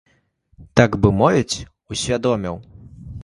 Так бы мовіць, усвядоміў.